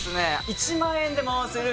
１万円で回せる